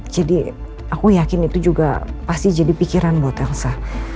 jadi aku yakin itu juga pasti jadi pikiran buat elsa